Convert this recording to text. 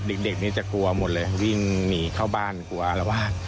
เด็กเด็กนี้จะกลัวหมดเลยวิ่งหนีเข้าบ้านกลัวแล้วว่า